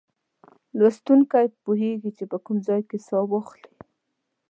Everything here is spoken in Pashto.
لوستونکی پوهیږي چې په کوم ځای کې سا واخلي.